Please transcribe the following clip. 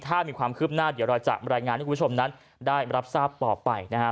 ถ้ามีความคืบหน้าเดี๋ยวเราจะรายงานให้คุณผู้ชมนั้นได้รับทราบต่อไปนะฮะ